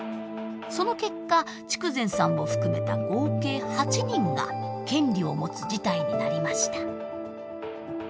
その結果筑前さんを含めた合計８人が権利を持つ事態になりました。